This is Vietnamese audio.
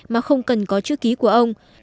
mà không cần có chữ ký của ông